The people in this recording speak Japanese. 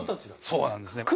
そうなんですね。